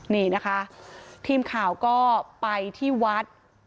นี่นะคะทีมข่าวก็ไปที่วัด